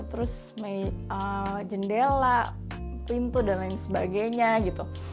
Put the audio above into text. terus jendela pintu dan lain sebagainya gitu